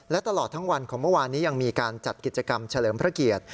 และตลอดทั้งวันของเมื่อวานนี้ยังมีการจัดกิจกรรมเฉลิมพระเกียรติ